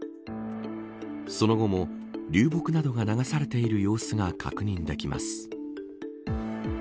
その後も流木などが流されている様子が確認できます。